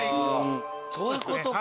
そういうことか。